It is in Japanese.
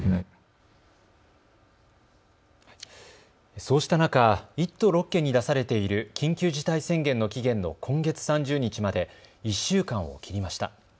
そうした中、１都６県に出されている緊急事態宣言の期限の今月３０日まで１週間を切りました。